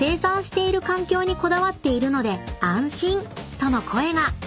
［との声が］